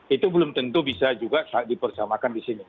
itu belum tentu bisa juga dipersamakan di sini